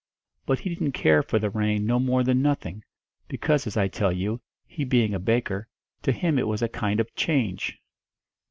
But he didn't care for the rain no more than nothing; because, as I tell you, he being a baker, to him it was a kind of a change.